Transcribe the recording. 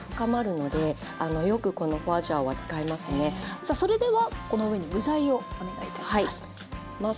さあそれではこの上に具材をお願いいたします。